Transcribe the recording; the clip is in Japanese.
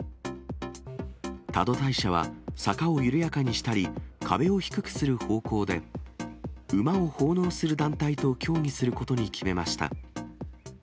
多度大社は、坂を緩やかにしたり、壁を低くする方向で、馬を奉納する団体と協議することに決めました。